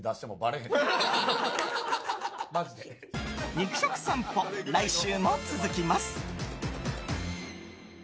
肉食さんぽ来週も続きます！